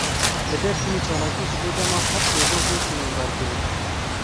Li Dêrsîmê çalakî ji bo dema heft rojan tên sînordarkirin.